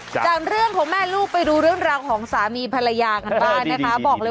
จากเรื่องของแม่ลูกไปดูเรื่องราวของสามีภรรยากันบ้างนะคะบอกเลย